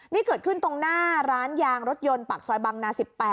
นี่เกิดขึ้นตรงหน้าร้านยางรถยนต์ปากซอยบังนา๑๘